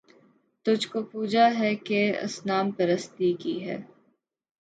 تجھ کو پوجا ہے کہ اصنام پرستی کی ہے